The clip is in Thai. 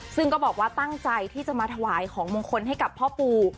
ซึ่งก็บอกว่าตั้งใจที่จะมาถวายของมงคลให้กับพ่อปู่